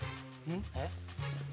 えっ？